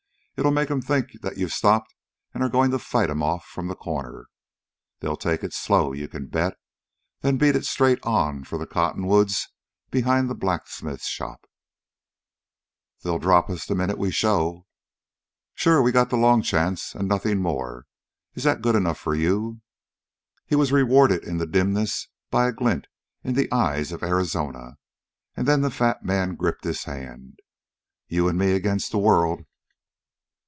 It'll make 'em think that you've stopped and are going to fight 'em off from the corner. They'll take it slow, you can bet. Then beat it straight on for the cottonwoods behind the blacksmith shop." "They'll drop us the minute we show." "Sure, we got the long chance, and nothing more. Is that good enough for you?" He was rewarded in the dimness by a glint in the eyes of Arizona, and then the fat man gripped his hand. "You and me agin' the world."